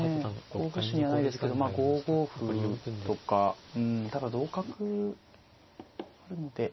候補手にはないですけど５五歩とかうんただ同角あるので。